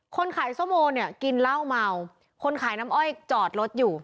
คนขายส้มโมเนี่ยกินเหล้าเมาคนขายน้ำอ้อยจอดรถอยู่